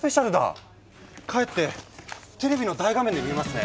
帰ってテレビの大画面で見ますね！